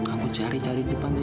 aku cari cari di depan tapi gak ada